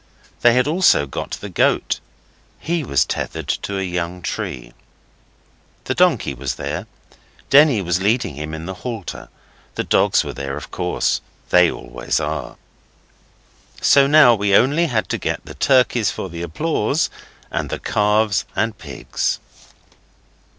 They had also got the goat; he was tethered to a young tree. The donkey was there. Denny was leading him in the halter. The dogs were there, of course they always are. So now we only had to get the turkeys for the applause and the calves and pigs.